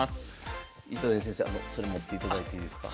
糸谷先生それ持っていただいていいですか？